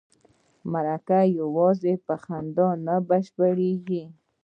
مرکه یوازې په خندا نه بشپړیږي.